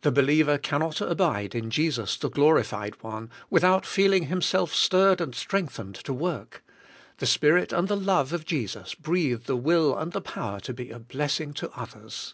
The believer cannot abide in Jesus the Glorified One, without feeling himself stirred and strengthened to work: the Spirit and the love of Jesus breathe the will and the power to be a blessing to others.